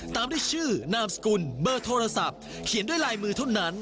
ตามด้วยชื่อนามสกุลเบอร์โทรศัพท์เขียนด้วยลายมือเท่านั้น